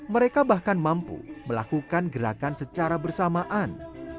mereka bahkan mampu melakukan gerakan secara bersamaan